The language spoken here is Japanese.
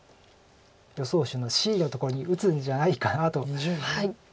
予想手のＣのところに打つんじゃないかなと。